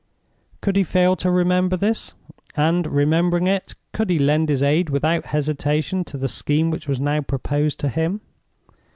Could he fail to remember this; and, remembering it, could he lend his aid without hesitation to the scheme which was now proposed to him?